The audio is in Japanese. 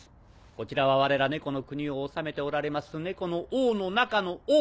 こちらはわれら猫の国を治めておられます猫の王の中の王！